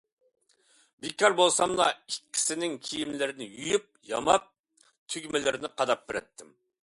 بىكار بولساملا ئىككىسىنىڭ كىيىملىرىنى يۇيۇپ-ياماپ، تۈگمىلىرىنى قاداپ بېرەتتىم.